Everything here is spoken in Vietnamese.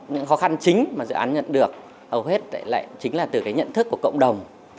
những khó khăn chính mà dự án nhận được hầu hết lại chính là từ cái nhận thức của cộng đồng